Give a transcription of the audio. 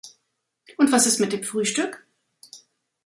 Und was ist mit dem Frühstück?